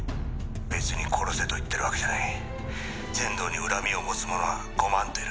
「別に殺せと言ってるわけじゃない」「千堂に恨みを持つ者はごまんといる」